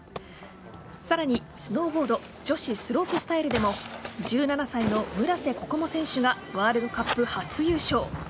さらに、スノーボード女子スロープスタイルでも１７歳の村瀬心椛選手がワールドカップ初優勝。